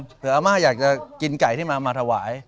ลักษณะมาอยากจะกินไก่ที่มามาถวาย